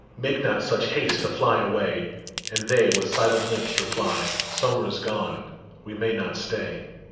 Make not such haste to fly away !" And they, with silent lips, reply :" Summer is gone ; we may not stay.